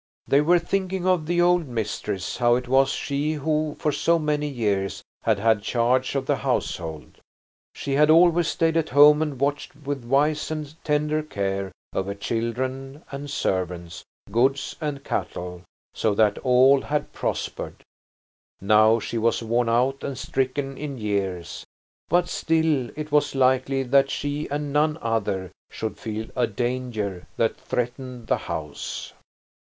They were thinking of the old mistress, how it was she who for so many years had had charge of the household. She had always stayed at home and watched with wise and tender care over children and servants, goods and cattle, so that all had prospered. Now she was worn out and stricken in years, but still it was likely that she and none other should feel a danger that threatened the house.